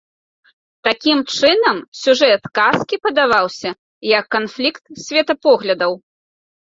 Такім чынам, сюжэт казкі падаваўся як канфлікт светапоглядаў.